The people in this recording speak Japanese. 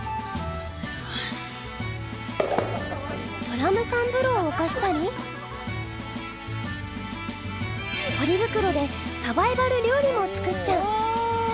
ドラム缶風呂を沸かしたりポリ袋でサバイバル料理も作っちゃう。